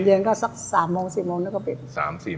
กันเย็นก็สัก๓๔โมงแล้วก็ปิด